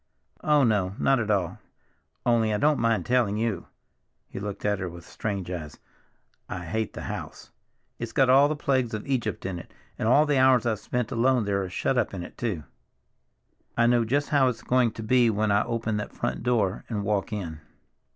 "Oh, no, not at all. Only—I don't mind telling you—" he looked at her with strange eyes—"I hate the house! It's got all the plagues of Egypt in it. And all the hours I've spent alone there are shut up in it too. I know just how it's going to be when I open that front door and walk in."